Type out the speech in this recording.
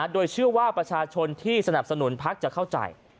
โดยเชื่อว่าประชาชนที่สนับสนุนพักจะเข้าใจ